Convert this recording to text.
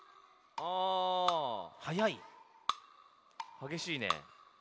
はげしいね。